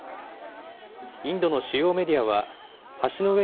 インドの主要メディアは、橋の上